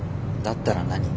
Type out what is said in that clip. だったら何？